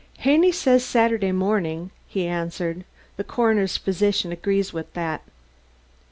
"Haney says Saturday morning," he answered. "The coroner's physician agrees with that."